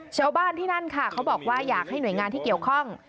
ชาวบ้านที่นั่นค่ะเขาบอกว่าอยากให้หน่วยงานที่เกี่ยวข้อง